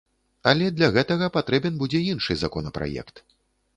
Але для гэтага патрэбен будзе іншы законапраект.